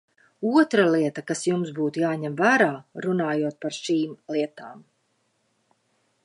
Otra lieta, kas jums būtu jāņem vērā, runājot par šīm lietām.